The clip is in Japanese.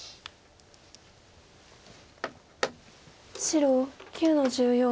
白９の十四。